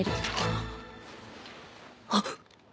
あっ！